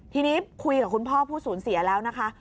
ทีนี้คุยกับคุณพ่อผู้สูญเสียแล้วนะคะ